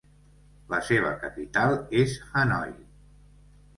La seva capital és Hanoi.